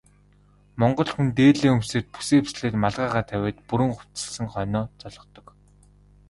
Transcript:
Монгол хүн дээлээ өмсөөд, бүсээ бүслээд малгайгаа тавиад бүрэн хувцасласан хойноо золгодог.